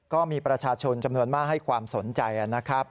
ก็มีประชาชนจำนวนมากให้ความสนใจนะครับ